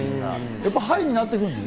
やっぱりハイになってくるの？